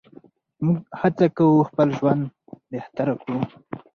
موږ هڅه کوو خپل ژوند بهتر کړو.